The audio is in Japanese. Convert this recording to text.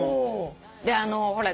でほら